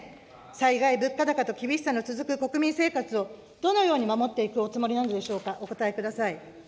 災害、物価高と、厳しさの続く国民生活をどのように守っていくおつもりなのでしょうか、お答えください。